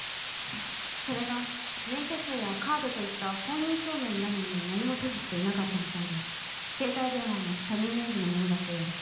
それが免許証やカードといった本人証明になるものを何も所持していなかったみたいで携帯電話も他人名義のものだったようです